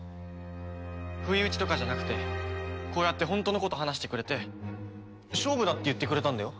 不意打ちとかじゃなくてこうやって本当のこと話してくれて勝負だって言ってくれたんだよ。